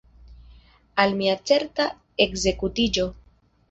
Al mia certa ekzekutiĝo!